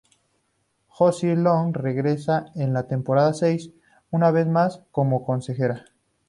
Josie Long regresa en la temporada seis, una vez más como consejera.